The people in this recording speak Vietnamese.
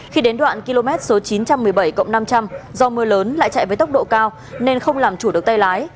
khi đến đoạn km số chín trăm một mươi bảy năm trăm linh do mưa lớn lại chạy với tốc độ cao nên không làm chủ được tay lái